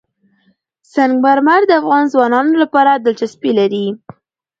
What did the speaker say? سنگ مرمر د افغان ځوانانو لپاره دلچسپي لري.